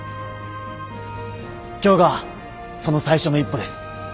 今日がその最初の一歩です。